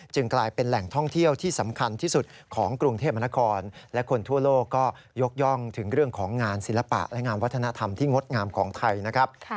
กลายเป็นแหล่งท่องเที่ยวที่สำคัญที่สุดของกรุงเทพมนครและคนทั่วโลกก็ยกย่องถึงเรื่องของงานศิลปะและงานวัฒนธรรมที่งดงามของไทยนะครับ